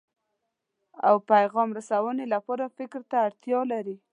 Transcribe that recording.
او پیغام رسونې لپاره فکر ته اړتیا لري.